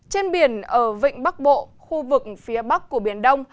trên biển ở vịnh bắc bộ khu vực phía bắc của biển đông